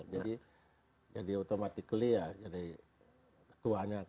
jadi jadi otomatikli ya jadi ketuanya